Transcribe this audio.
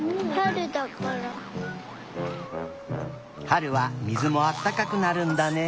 はるはみずもあったかくなるんだね。